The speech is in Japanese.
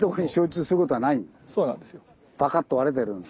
パカッと割れてるんで。